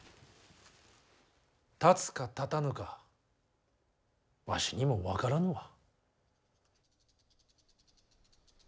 立つか立たぬかわしにも分からぬわ。